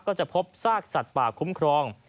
ก็จะพบซากสัตว์ป่าคุ้มครอง